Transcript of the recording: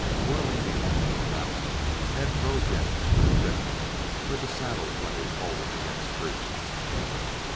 Whirling the animal about, Ned drove him into the thicket where the saddles lay folded against trees.